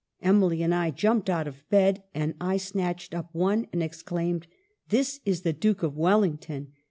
Emily and I jumped out of bed, and I snatched up one and exclaimed, ' This is the Duke of Wellington